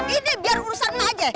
ini biar urusan maje